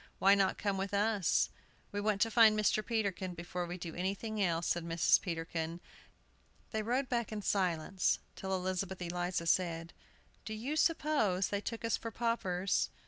"Why not come with us?" "We want to find Mr. Peterkin before we do anything else," said Mrs. Peterkin. They rode back in silence, till Elizabeth Eliza said, "Do you suppose they took us for paupers?"